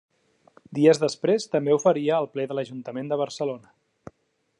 Dies després també ho faria el ple de l'Ajuntament de Barcelona.